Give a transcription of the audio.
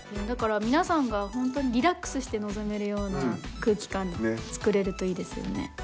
だから皆さんが本当にリラックスして臨めるような空気感作れるといいですよね。